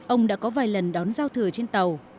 ông đã có vài lần đón giao thừa trên tàu